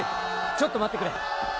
ちょっと待ってくれ！